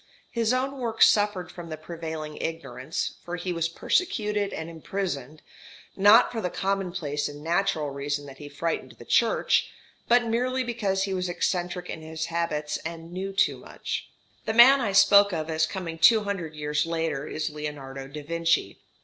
His own work suffered from the prevailing ignorance, for he was persecuted and imprisoned, not for the commonplace and natural reason that he frightened the Church, but merely because he was eccentric in his habits and knew too much. The man I spoke of as coming two hundred years later is Leonardo da Vinci.